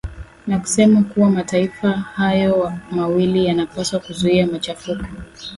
na kusema kuwa mataifa hayo mawili yanapaswa kuzuia machafuko